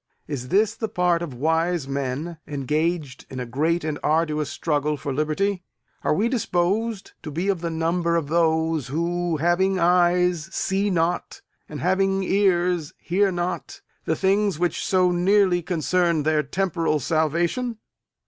Is this the part of wise men, engaged in a great and arduous struggle for liberty? Are we disposed to be of the number of those who, having eyes, see not, and having ears, hear not, the things which so nearly concern their temporal salvation?